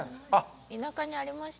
田舎にありました。